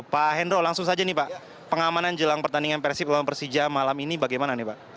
pak hendro langsung saja nih pak pengamanan jelang pertandingan persib lawan persija malam ini bagaimana nih pak